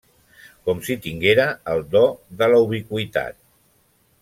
Com si tinguera el do de la ubiqüitat.